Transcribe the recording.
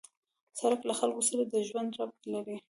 سړک له خلکو سره د ژوند ربط لري.